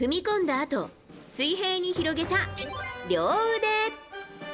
あと水平に広げた両腕。